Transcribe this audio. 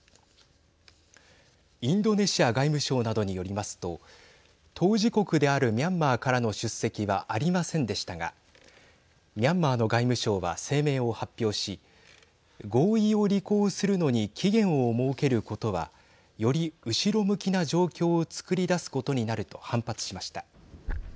インドネシア外務省などによりますと当事国であるミャンマーからの出席はありませんでしたがミャンマーの外務省は声明を発表し合意を履行するのに期限を設けることはより後ろ向きな状況を作り出すことになると反発しました。